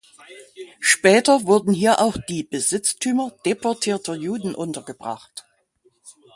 Später wurden hier auch die Besitztümer deportierter Juden untergebracht.